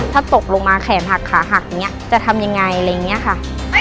ถ้าตกลงมาแขนหักขาหักอย่างนี้จะทำยังไงอะไรอย่างนี้ค่ะ